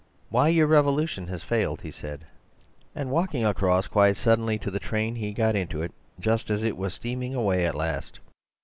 "'Why your revolution has failed,' he said; and walking across quite suddenly to the train he got into it just as it was steaming away at last.